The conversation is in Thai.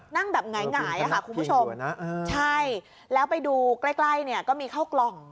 นั่งแบบหงายค่ะคุณผู้ชมใช่แล้วไปดูใกล้เนี่ยก็มีเข้ากล่อง